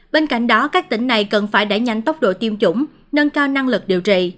bên cạnh đó các tỉnh này cần phải đẩy nhanh tốc độ tiêm chủng nâng cao năng lực điều trị